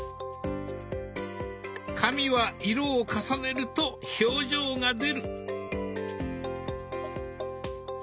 髪は色を重ねると表情が出る。